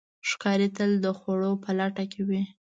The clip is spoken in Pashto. ښکاري تل د خوړو په لټه کې وي.